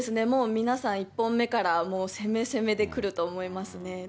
もう皆さん１本目からもう攻め攻めでくると思いますね。